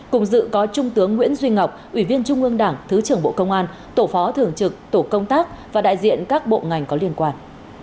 cùng dự có trung tướng nguyễn duy ngọc ủy viên trung ương đảng thứ trưởng bộ công an tổ phó thường trực tổ công tác và đại diện các bộ ngành có liên quan